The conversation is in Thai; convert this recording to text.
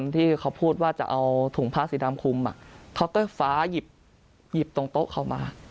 ที่เขาพูดว่าจะเอาถุงผ้าสีดำคุมเขาก็ฟ้าหยิบตรงโต๊ะเขามา